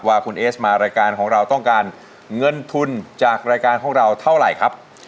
ว่าคุณเอสมารายการของเราต้องการเงินทุนจากรายการของเราเท่าไหร่ครับ